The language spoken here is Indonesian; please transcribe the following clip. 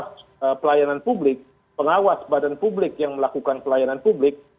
kita bisa lihat ombudsman republik indonesia sebagai pengawas badan publik yang melakukan pelayanan publik